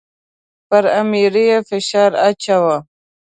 پر امیر یې فشار اچاوه.